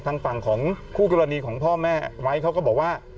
ทางฝั่งของคู่กรณีของพ่อแม่ไว้เขาก็บอกว่า